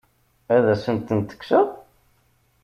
Ad asen-tent-kkseɣ?